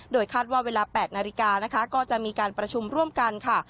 คาดว่าเวลา๘นาฬิกานะคะก็จะมีการประชุมร่วมกันค่ะ